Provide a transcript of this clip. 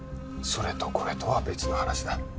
それとこれとは別の話だ。